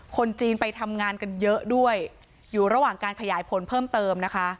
คนจีนไปทำงานกันเยอะด้วยอยู่ระหว่างการขยายผลเพิ่มเติมนะคะ